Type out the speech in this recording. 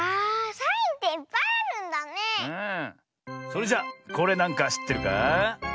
それじゃこれなんかしってるかあ？